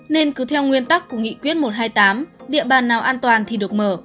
nên cứ theo nguyên tắc của nghị quyết một trăm hai mươi tám địa bàn nào an toàn thì được mở